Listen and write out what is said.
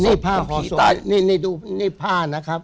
นี่ผ้าห่อผีตานี่ดูนี่ผ้านะครับ